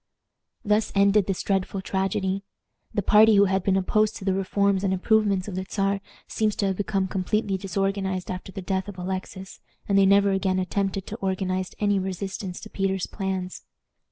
Thus ended this dreadful tragedy. The party who had been opposed to the reforms and improvements of the Czar seems to have become completely disorganized after the death of Alexis, and they never again attempted to organize any resistance to Peter's plans.